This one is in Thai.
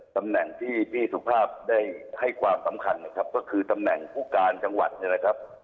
ตำแหน่งที่พี่สุภาพได้ให้ความสำคัญนะครับก็คือตำแหน่งผู้การจังหวัดเนี่ยนะครับ